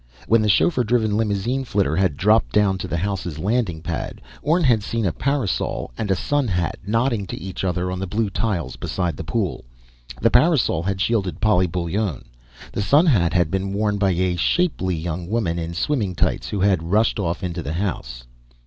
When the chauffeur driven limousine flitter had dropped down to the house's landing pad, Orne had seen a parasol and sunhat nodding to each other on the blue tiles beside the pool. The parasol had shielded Polly Bullone. The sunhat had been worn by a shapely young woman in swimming tights, who had rushed off into the house.